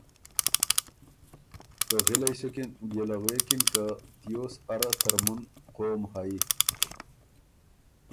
که غِلئ سُکِن بيې له غوېکِن که ” تیوس اره ترمُن قوم هئ